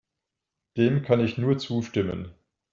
Dem kann ich nur zustimmen.